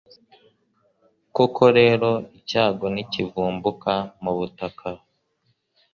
koko rero, icyago ntikivumbuka mu butaka